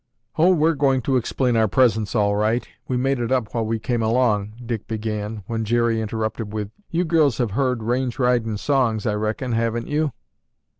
"Oh, we're going to explain our presence all right. We made it up while we came along—" Dick began, when Jerry interrupted with, "You girls have heard range ridin' songs, I reckon, haven't you?"